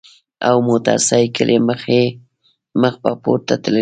او موټر ساېکلې مخ پۀ پورته تللې ـ